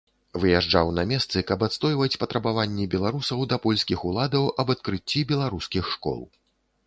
Выязджаў на месцы, каб адстойваць патрабаванні беларусаў да польскіх уладаў аб адкрыцці беларускіх школ.